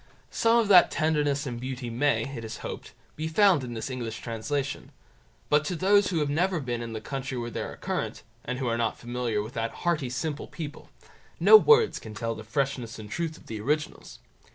Some of that tenderness and beauty may, it is hoped, be found in this English translation; but to those who have never been in the country where they are current, and who are not familiar with that hearty simple people, no words can tell the freshness and truth of the originals.